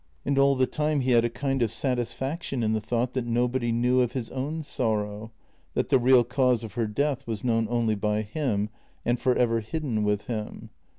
And all the time he had a kind of satisfaction in the thought that nobody knew of his own sorrow, 'that the real cause of her death was known only by him and for ever hidden with him.